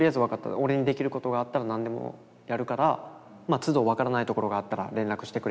俺にできることがあったら何でもやるからつど分からないところがあったら連絡してくれ」